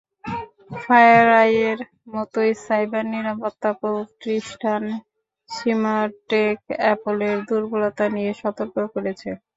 ফায়ারআইয়ের মতোই সাইবার নিরাপত্তা প্রতিষ্ঠান সিমানটেক অ্যাপলের দুর্বলতা নিয়ে সতর্ক করেছে।